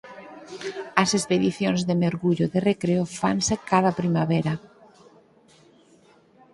As expedicións de mergullo de recreo fanse cada primavera.